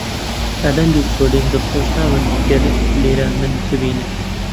ئەلەند و سۆلین دڵخۆش نابن ئەگەر لێرە من ببینن.